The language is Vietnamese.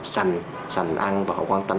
sành sành ăn và họ quan tâm